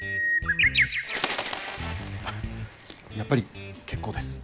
あっやっぱり結構です。